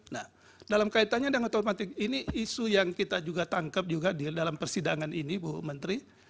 nah dalam kaitannya dengan otomatik ini isu yang kita juga tangkap juga di dalam persidangan ini bu menteri